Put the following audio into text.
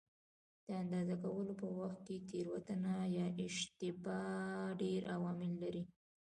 د اندازه کولو په وخت کې تېروتنه یا اشتباه ډېر عوامل لري.